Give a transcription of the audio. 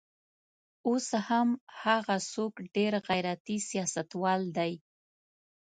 اوس هم هغه څوک ډېر غیرتي سیاستوال دی.